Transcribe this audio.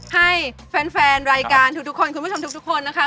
ให้แฟนรายการทุกคนคุณผู้ชมทุกคนนะคะ